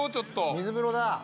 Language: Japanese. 水風呂だ！